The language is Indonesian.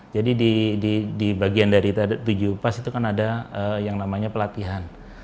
jadi di bagian dari tujuh pas itu kan ada yang namanya pelatihan